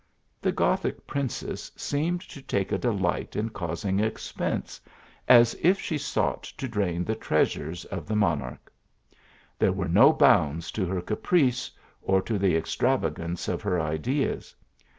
The Gothic princess seemed to take a delight in causing expense, as if she sought to drain the treasures of the monarch. There were no bounds to her caprice, or to the extravagance of her ideas.